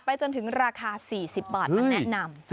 จนถึงราคา๔๐บาทมาแนะนำ